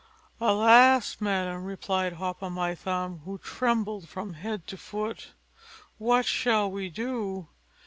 "Alas! madam," replied Hop o' my thumb, who trembled from head to foot, "what shall we do?